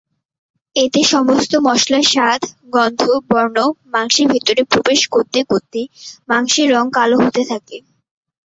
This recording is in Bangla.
এতে সমস্ত মশলার স্বাদ, গন্ধ, বর্ণ মাংসের ভেতরে প্রবেশ করতে করতে মাংসের রং কালো হতে থাকে।